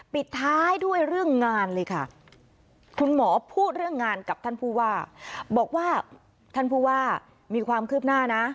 ปิดท้ายด้วยเรื่องงานเลยค่ะคุณหมอพูดเรื่องงานกับท่านผู้ว่าบอกว่าท่านผู้ว่ามีความคืบหน้านะ